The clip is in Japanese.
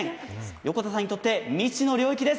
横田さんにとって未知の領域です。